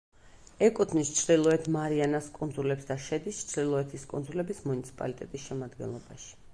ეკუთვნის ჩრდილოეთ მარიანას კუნძულებს და შედის ჩრდილოეთის კუნძულების მუნიციპალიტეტის შემადგენლობაში.